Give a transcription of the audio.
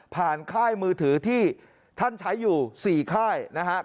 ผ่านค่ายมือถือที่ท่านใช้อยู่๔ค่ายนะครับ